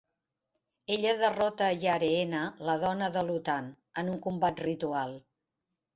Ella derrota Yareena, la dona de Lutan, en un combat ritual.